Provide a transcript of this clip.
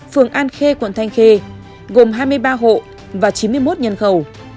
phường an khê quận thanh khê gồm hai mươi ba hộ và chín mươi một nhân khẩu